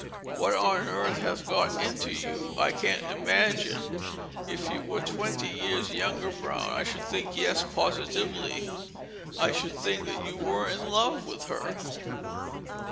What on earth has got into you I can't imagine. If you were twenty years younger, Brown, I should think, yes, positively, I should think that you were in love with her."